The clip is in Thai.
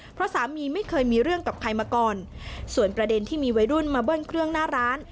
เพราะสามีไม่เคยมีเรื่องกับใครมาก่อนส่วนประเด็นที่มีวัยรุ่นมาเบิ้ลเครื่องหน้าร้าน